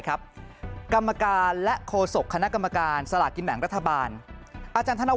กรรมการและโฆษกคณะกรรมการสลากกินแบ่งรัฐบาลอาจารย์ธนวั